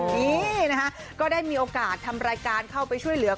นี่นะคะก็ได้มีโอกาสทำรายการเข้าไปช่วยเหลือ